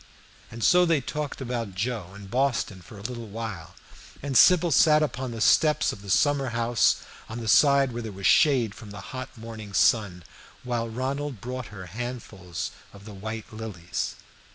And so they talked about Joe and Boston for a little while, and Sybil sat upon the steps of the summer house on the side where there was shade from the hot morning sun, while Ronald brought her handfuls of the white lilies.